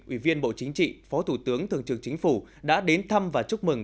ủy viên bộ chính trị phó thủ tướng thường trực chính phủ đã đến thăm và chúc mừng